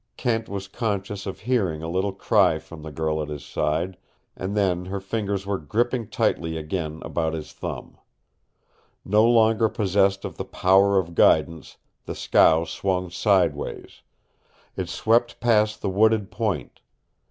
Kent was conscious of hearing a little cry from the girl at his side, and then her fingers were gripping tightly again about his thumb. No longer possessed of the power of guidance, the scow swung sideways. It swept past the wooded point.